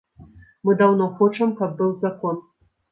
Мы даўно хочам, каб быў закон.